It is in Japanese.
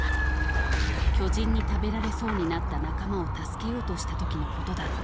巨人に食べられそうになった仲間を助けようとした時のことだった。